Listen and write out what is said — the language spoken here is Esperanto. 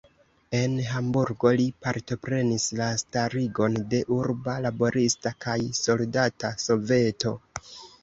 En Hamburgo li partoprenis la starigon de urba laborista kaj soldata soveto.